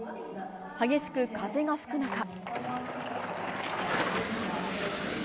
激しく風が吹く中。